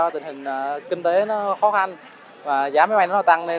tình hình kinh tế khó khăn giá máy bay tăng cao